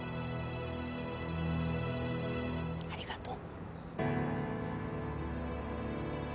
ありがとう。